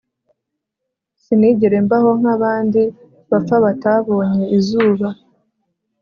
sinigere mbaho nk'abandi bapfa batabonye izuba